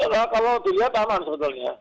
oh iya kalau dilihat aman sebetulnya